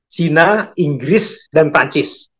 cina inggris dan prancis